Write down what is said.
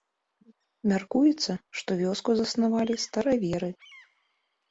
Мяркуецца, што вёску заснавалі стараверы.